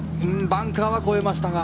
バンカーは越えましたが。